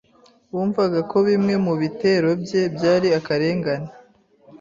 Bumvaga ko bimwe mu bitero bye byari akarengane.